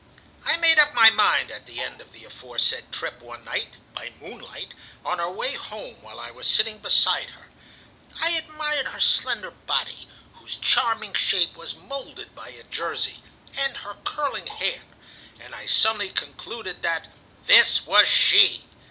"I made up my mind at the end of the aforesaid trip one night, by moonlight, on our way home, while I was sitting beside her. I admired her slender body, whose charming shape was moulded by a jersey, and her curling hair, and I suddenly concluded that this was she.